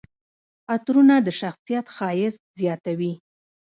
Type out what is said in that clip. عطرونه د شخصیت ښایست زیاتوي.